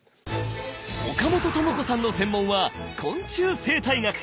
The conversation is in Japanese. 岡本朋子さんの専門は昆虫生態学！